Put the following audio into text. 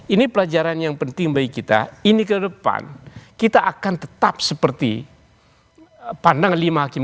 ini pelajaran yang penting bagi kita ini ke depan kita akan tetap seperti pandang lima hakim